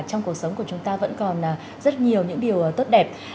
trong cuộc sống của chúng ta vẫn còn rất nhiều những điều tốt đẹp